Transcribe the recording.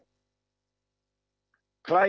ใครมาเป็นรัฐบาลก็ต้องยอมรับรับรู้กับสภาพแบบนี้